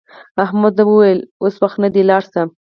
احمد وویل اوس وخت نه دی لاړ شه.